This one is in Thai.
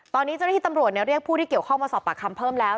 ตอนนี้เจ้าหน้าที่ตำรวจเรียกผู้ที่เกี่ยวข้องมาสอบปากคำเพิ่มแล้ว